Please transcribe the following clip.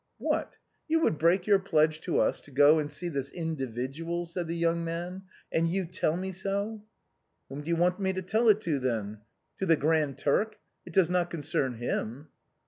" What, you would break your pledge to us to go and see this individual," said the young man, " and you tell me so "" Whom do you want me to tell it to, then ? To the Grand Turk? It does not concern him."